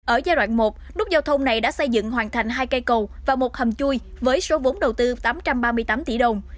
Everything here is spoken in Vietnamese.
ở giai đoạn một nút giao thông này đã xây dựng hoàn thành hai cây cầu và một hầm chui với số vốn đầu tư tám trăm ba mươi tám tỷ đồng